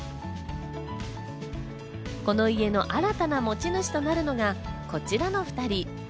この家の新たな持ち主となるのが、こちらの２人。